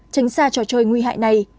tránh xa trò chơi nguy hại này